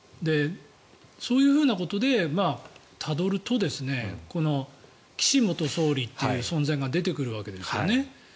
そういうふうなことでたどると岸元総理という存在が出てくるわけですよね。